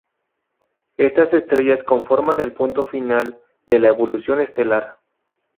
Estas estrellas conforman el punto final de la evolución estelar.